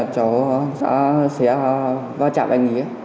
chó sẽ va chạm anh ấy